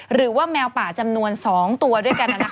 หรือว่าแมวป่าจำนวน๒ตัวด้วยกัน